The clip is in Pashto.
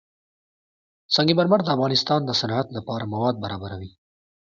سنگ مرمر د افغانستان د صنعت لپاره مواد برابروي.